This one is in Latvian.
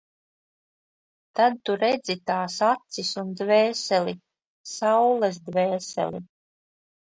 Tad tu redzi tās acis un dvēseli, Saules Dvēseli.